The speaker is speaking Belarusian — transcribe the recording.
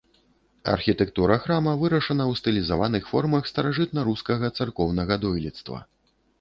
Архітэктура храма вырашана ў стылізаваных формах старажытнарускага царкоўнага дойлідства.